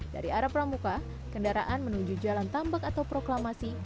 dari arah pramuka kendaraan menuju jalan tambak atau proklamasi